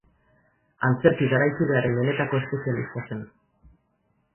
Antzerki garaikidearen benetako espezialista zen.